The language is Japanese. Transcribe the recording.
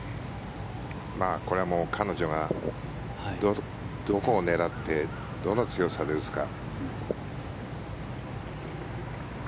これはもう彼女がどこを狙ってどの強さで打つか。